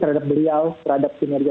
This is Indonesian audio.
terhadap beliau terhadap kinerja